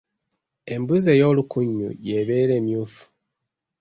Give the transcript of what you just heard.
Embuzi ey'olukunyu y'ebeera emyufu.